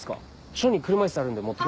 署に車椅子あるんで持って。